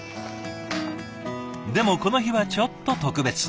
でもこの日はちょっと特別。